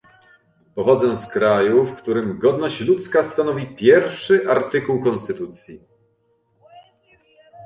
Pochodzę z kraju, w którym godność ludzka stanowi pierwszy artykuł konstytucji